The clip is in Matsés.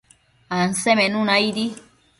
Ansemenuna aidi